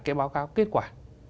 cái báo cáo kết quả